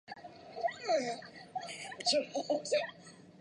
玎眼蝶属是蛱蝶科眼蝶亚科络眼蝶族中的一个属。